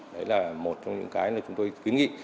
đấy là một trong những cái mà chúng tôi kiến nghị